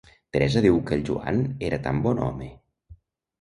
Teresa diu que el Joan era tan bon home...